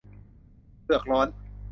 เผือกร้อน